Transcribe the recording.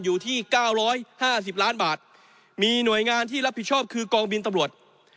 อยู่ที่๙๕๐ล้านบาทมีหน่วยงานที่รับผิดชอบคือกองบินตำรวจ